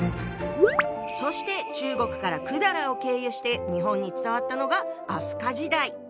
そして中国から百済を経由して日本に伝わったのが飛鳥時代。